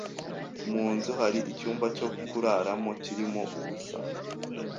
Mu nzu hari icyumba cyo kuraramo kirimo ubusa.